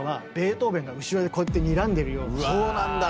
そうなんだ。